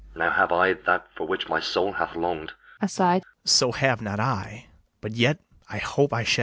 Now have I that for which my soul hath long'd. BARABAS. So have not I; but yet I hope I shall.